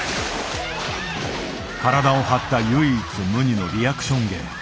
体を張った唯一無二のリアクション芸。